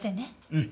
うん。